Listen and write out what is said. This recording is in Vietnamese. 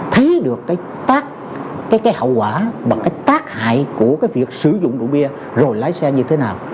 thấy được cái hậu quả và cái tác hại của cái việc sử dụng rượu bia rồi lái xe như thế nào